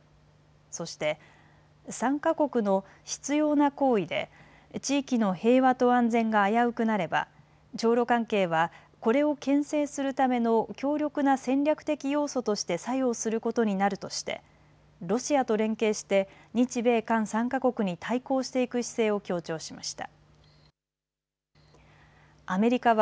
そして３か国の執ような行為で地域の平和と安全が危うくなれば朝ロ関係はこれをけん制するための強力な戦略的要素として作用することになるとしてロシアと連携して日米韓３か国に対抗していく姿勢を強調しました。